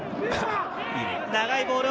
長いボール。